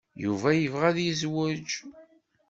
Yuba yebɣa ad yezweǧ.